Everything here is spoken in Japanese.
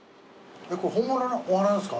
これ本物のお花ですか？